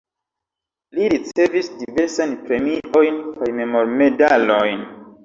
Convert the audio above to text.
Li ricevis diversajn premiojn kaj memormedalojn.